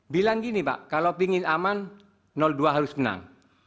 bilang gini pak kalau ingin aman dua harus menang